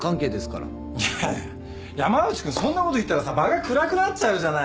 いやいや山内君そんなこと言ったらさ場が暗くなっちゃうじゃない。